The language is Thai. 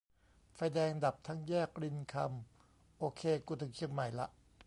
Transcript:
"ไฟแดงดับทั้งแยกรินคำ โอเค กูถึงเชียงใหม่ละ"